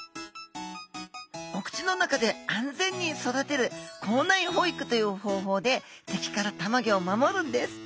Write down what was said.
お口の中で安全に育てる口内保育という方法で敵から卵を守るんです。